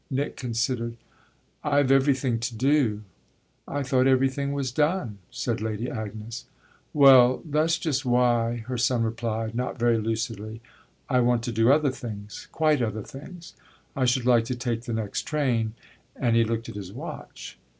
Nick considered. "I've everything to do." "I thought everything was done," said Lady Agnes. "Well, that's just why," her son replied, not very lucidly. "I want to do other things quite other things. I should like to take the next train," And he looked at his watch.